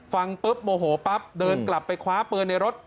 ฟังปุ๊บโมโหปั๊บเดินกลับไปคว้าปืนในรถ